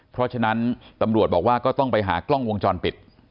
เพราะฉะนั้นตำรวจบอกว่าก็ต้องไปหากล้องวงจรปิด